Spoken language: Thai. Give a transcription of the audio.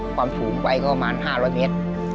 ความสูงไปก็ประมาณ๕๐๐เมตร